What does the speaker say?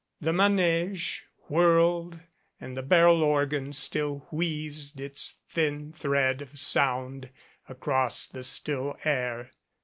The manege whirled and the barrel organ still wheezed its thin thread of sound across the still air.